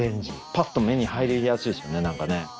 パッと目に入りやすいですよね。